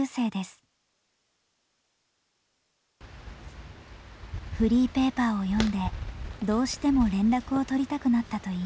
フリーペーパーを読んでどうしても連絡を取りたくなったといいます。